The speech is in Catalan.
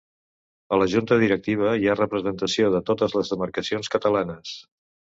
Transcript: A la Junta Directiva hi ha representació de totes les demarcacions catalanes.